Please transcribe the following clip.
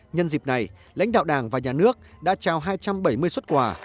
nhân dịp này lãnh đạo đảng và nhà nước đã trao hai trăm bảy mươi xuất quà